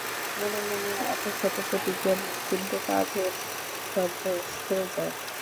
মনে মনে এতশত প্রতিজ্ঞা নেই, কিন্তু কাজে নামলেই সব ভেস্তে যায়।